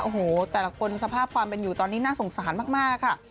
โอ้โหแต่ละคนสภาพความเป็นอยู่ตอนนี้น่าสงสารมากค่ะ